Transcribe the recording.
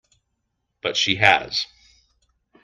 But she has.